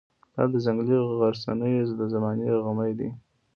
دا د ځنګلي غرڅنۍ د زمانې غمی دی.